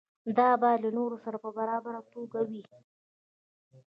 دا باید له نورو سره په برابره توګه وي.